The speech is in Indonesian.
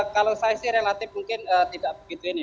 kalau saya sih relatif mungkin tidak begitu ini